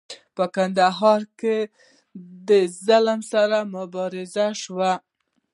په کندهار کې د ظلم سره مبارزې شوي.